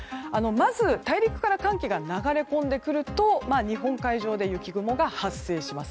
まず、大陸から寒気が流れ込んでくると日本海上で雪雲が発生します。